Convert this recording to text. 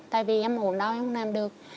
tại vì em ổn đâu em không làm được